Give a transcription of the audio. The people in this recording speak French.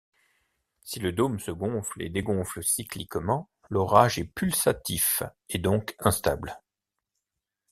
Si le dôme se gonfle et dégonfle cycliquement, l’orage est pulsatif et donc instable.